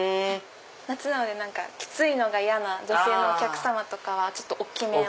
夏なのできついのが嫌な女性のお客様とかは大きめを。